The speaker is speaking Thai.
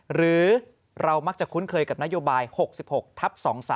หรือเรามักจะคุ้นเคยกับนโยบาย๖๖ทับ๒๓